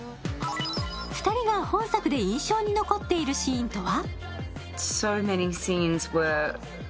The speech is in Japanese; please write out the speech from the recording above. ２人が本作で印象に残っているシーンとは？